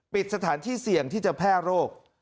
ปิดสถานที่เสี่ยงที่จะแพร่โรค